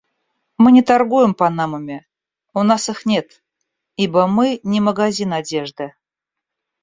Мы не торгуем панамами. У нас их нет, ибо мы не магазин одежды.